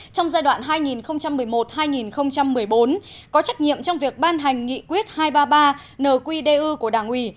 trong giai đoạn hai nghìn một mươi một hai nghìn một mươi bốn có trách nhiệm trong việc ban hành nghị quyết hai trăm ba mươi ba nqdu của đảng ủy